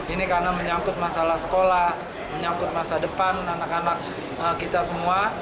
ini karena menyangkut masalah sekolah menyangkut masa depan anak anak kita semua